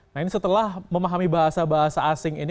nah ini setelah memahami bahasa bahasa asing ini